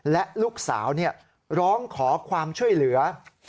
และลูกสาวร้องขอความช่วยเหลือ